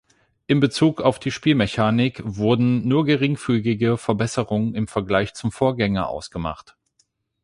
Im Bezug auf die Spielmechanik wurden nur geringfügige Verbesserungen im Vergleich zum Vorgänger ausgemacht.